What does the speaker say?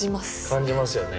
感じますよね。